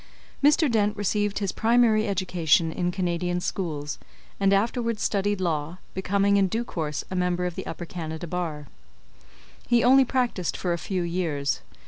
Mr. Dent received his primary education in Canadian schools, and afterwards studied law, becoming in due course a member of the Upper Canada Bar. He only practised for a few years.